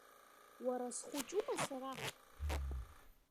Уара сухәыҷума сара?